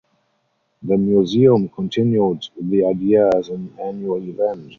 The museum continued the idea as an annual event.